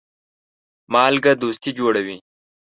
مالګه دوستي جوړوي.